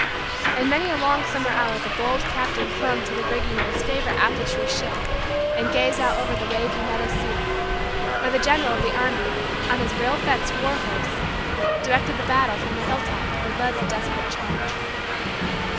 And many a long summer hour the bold captain clung to the rigging of his favorite apple tree ship and gazed out over the waving meadow sea, or the general of the army, on his rail fence war horse, directed the battle from the hilltop or led the desperate charge.